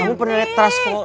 kamu pernah liat trust fall